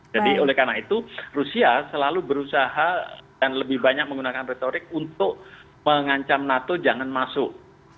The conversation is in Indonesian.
jadi oleh karena itu rusia selalu berusaha dan lebih banyak menggunakan retorik untuk mengancam nato jangan masuk